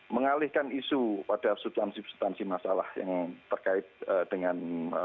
mengalihkan isu pada substansi substansi masalah yang terkait dengan